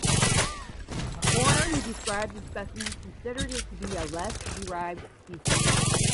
Horner, who described the specimens, considered it to be a less derived species.